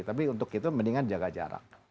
tapi untuk itu mendingan jaga jarak